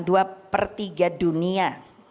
dua per tiga dunia